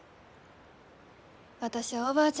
私はおばあちゃんゆう